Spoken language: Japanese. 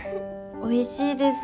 おいしいです。